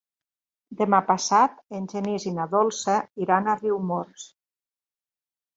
Demà passat en Genís i na Dolça iran a Riumors.